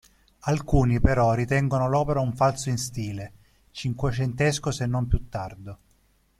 Alcuni però ritengono l'opera un falso in stile, cinquecentesco se non più tardo.